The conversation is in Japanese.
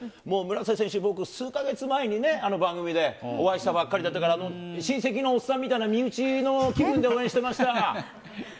もう村瀬選手、数か月前に番組でお会いしたばかりだったから、親戚のおっさんみたいな身内の気分で応援してました。